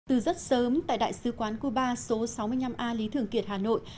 từ rất sớm tại đại sứ quán cuba số sáu mươi năm a lý thường kiệt hà nội